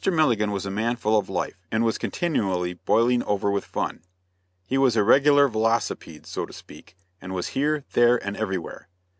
Milligan was a man full of life, and was continually "boiling over with fun." He was a regular velocipede, so to speak, and was here, there, and everywhere.